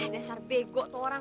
desar bego tuh orang